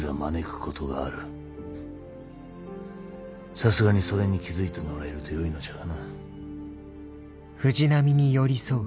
さすがにそれに気付いてもらえるとよいのじゃがな。